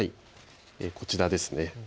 こちらです。